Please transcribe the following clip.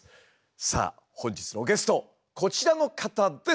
さあ本日のゲストこちらの方です！